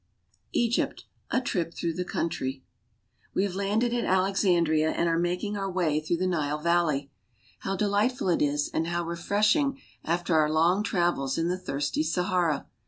EGYPT — A TRIP THROUGH THE COUNTRY WE have landed at Alexandria and are making our way through the Nile valley. How delightful it is and how refreshing after our long travels in the thirsty Sahara